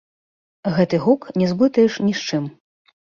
Гэты гук не зблытаеш ні з чым.